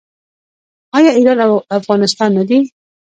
آیا ایران او افغانستان نه دي؟